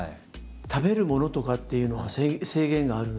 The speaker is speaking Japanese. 食べるものとかっていうのは制限があるんですか？